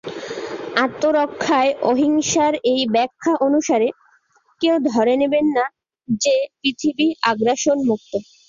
আত্মরক্ষায় অহিংসার এই ব্যাখ্যা অনুসারে, কেউ ধরে নেবেন না যে পৃথিবী আগ্রাসন মুক্ত।